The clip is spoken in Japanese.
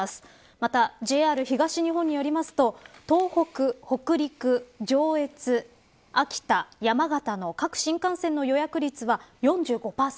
またＪＲ東日本によりますと東北、北陸、上越秋田、山形の各新幹線の予約率は４５％。